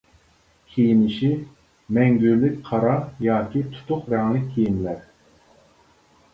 كىيىنىشى: مەڭگۈلۈك قارا ياكى تۇتۇق رەڭلىك كىيىملەر.